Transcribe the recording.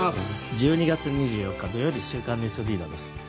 １２月２４日、土曜日「週刊ニュースリーダー」です。